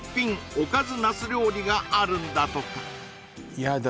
おかずナス料理があるんだとかやだ